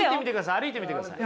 歩いてみてください